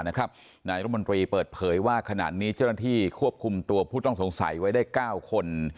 นายรมนตรีเปิดเผยว่าขณะนี้เจ้าหน้าที่ควบคุมตัวผู้ต้องสงสัยไว้ได้๙คน